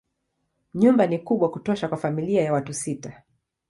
Nyumba ni kubwa kutosha kwa familia ya watu sita.